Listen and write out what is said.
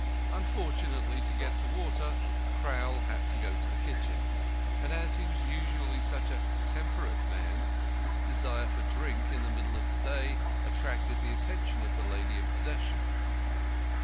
Unfortunately, to get the water, Crowl had to go to the kitchen; and as he was usually such a temperate man, this desire for drink in the middle of the day attracted the attention of the lady in possession.